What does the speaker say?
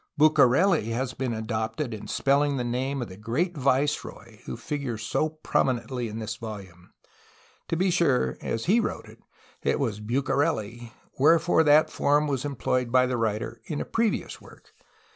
"BucareU" has been adopted in spelUng the name of the great viceroy who figures so prominently in this volume. To be sure, as he wrote it, it was "Bucarely," wherefore that form was employed by the writer in a previous work.